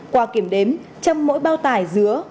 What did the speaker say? qua kiểm đếm trong mỗi bao tải giữa